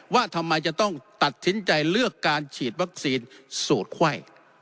ว่าทำไมจะต้องตัดสินใจเลือกการฉีดวัคซีนสูตรไข้